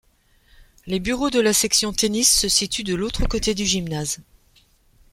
Les bureaux de la section tennis se situent de l'autre côté du gymnase.